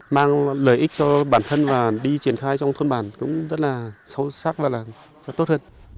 mang lợi ích cho bản thân và đi triển khai trong thôn bản cũng rất là sâu sắc và tốt hơn